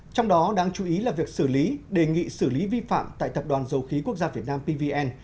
trong đó đáng chú ý là việc xử lý đề nghị xử lý vi phạm tại tập đoàn dầu khí quốc gia việt nam pvn